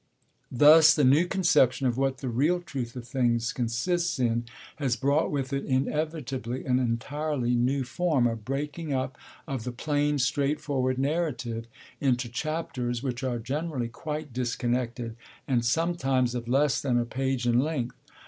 Thus the new conception of what the real truth of things consists in has brought with it, inevitably, an entirely new form, a breaking up of the plain, straightforward narrative into chapters, which are generally quite disconnected, and sometimes of less than a page in length.